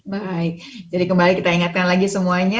baik jadi kembali kita ingatkan lagi semuanya